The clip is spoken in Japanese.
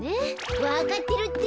わかってるって。